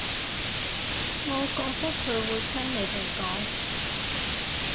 我覺得佢會聽你哋講